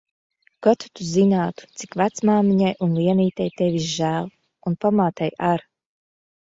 Kad tu zinātu, cik vecmāmiņai un Lienītei tevis žēl. Un pamātei ar.